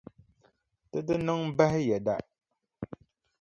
Di ti niŋ bahi yɛda.